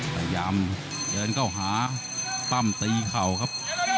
ก็ยามเดินเข้าหาป้ามตีเข้าครับ